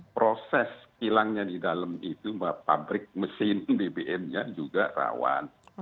proses kilangnya di dalam itu pabrik mesin bbm nya juga rawan